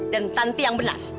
dan tante yang benar